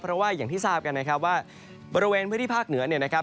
เพราะว่าอย่างที่ทราบกันนะครับว่าบริเวณพื้นที่ภาคเหนือเนี่ยนะครับ